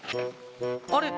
あれ？